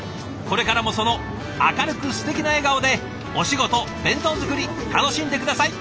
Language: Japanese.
これからもその明るくすてきな笑顔でお仕事弁当作り楽しんで下さい！